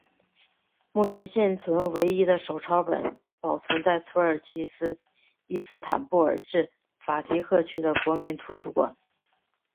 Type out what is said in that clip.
目前现存唯一的手抄本保存在土耳其伊斯坦布尔市法提赫区的国民图书馆。